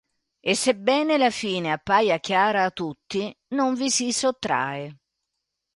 E sebbene la fine appaia chiara a tutti, non vi si sottrae.